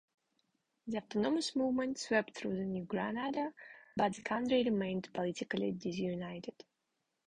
The autonomous movement swept through New Granada, but the country remained politically disunited.